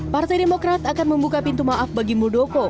partai demokrat akan membuka pintu maaf bagi muldoko